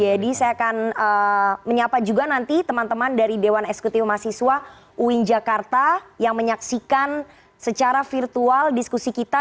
pak jayadi saya akan menyapa juga nanti teman teman dari dewan eksekutif mahasiswa uin jakarta yang menyaksikan secara virtual diskusi kita